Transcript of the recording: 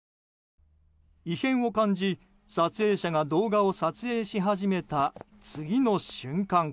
異変を感じ、撮影者が動画を撮影し始めた、次の瞬間。